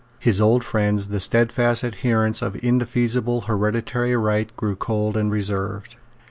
His old friends, the stedfast adherents of indefeasible hereditary right, grew cold and reserved.